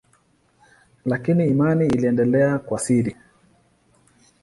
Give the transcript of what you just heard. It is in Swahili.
Lakini imani iliendelea kwa siri.